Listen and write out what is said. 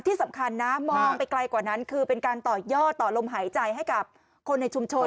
ที่สำคัญนะมองไปไกลกว่านั้นคือเป็นการต่อยอดต่อลมหายใจให้กับคนในชุมชน